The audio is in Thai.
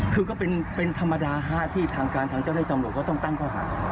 คือก็เป็นเป็นธรรมดาฮะที่ทางการทางเจ้าในจังหลวงก็ต้องตั้งข้อหา